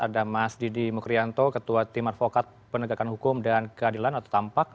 ada mas didi mukrianto ketua tim advokat penegakan hukum dan keadilan atau tampak